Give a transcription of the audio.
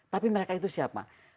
tapi mereka itu siapa